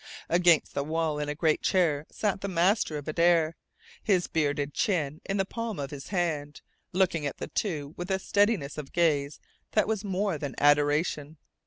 Against the wall, in a great chair, sat the master of Adare, his bearded chin in the palm of his hand, looking at the two with a steadiness of gaze that was more than adoration.